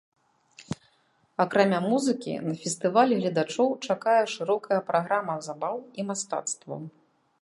Акрамя музыкі, на фестывалі гледачоў чакае шырокая праграма забаў і мастацтваў.